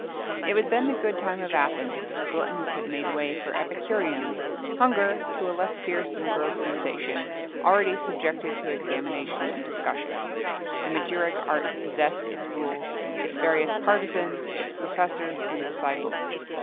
It was then the good time of Athens: gluttons had made way for epicureans; hunger, to a less fierce and gross sensation, already subjected to examination and discussion. The magiric art possessed its rules, its various partisans, its professors, and disciples.